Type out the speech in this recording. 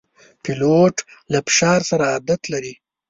پیلوټ له فشار سره عادت لري.